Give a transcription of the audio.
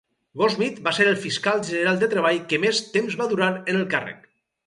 Goldsmith va ser el fiscal general de treball que més temps va durar en el càrrec.